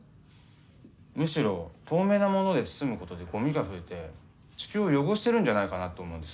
むしろ透明なもので包むことでゴミが増えて地球を汚してるんじゃないかなって思うんです。